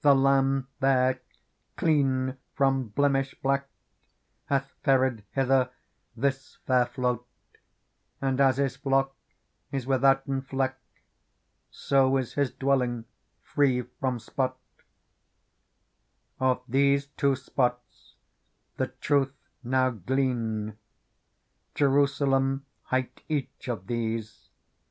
The Lamb there, clean from blemish black. Hath ferried hither this fair float ; And, as His flock is withouten fleck. So is His d welling free from spot^ Digitized by Google PEARL 41 " Of these two spots the truth now glean : Jerusalem liight each of these.